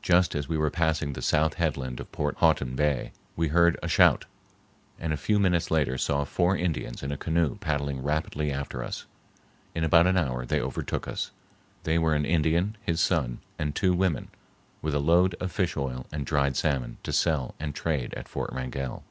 Just as we were passing the south headland of Port Houghton Bay, we heard a shout, and a few minutes later saw four Indians in a canoe paddling rapidly after us. In about an hour they overtook us. They were an Indian, his son, and two women with a load of fish oil and dried salmon to sell and trade at Fort Wrangell.